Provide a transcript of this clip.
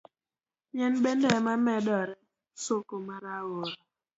Yien bende ema bedoga soko mar aore.